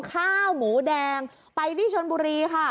ข้าวหมูแดงไปที่ชนบุรีค่ะ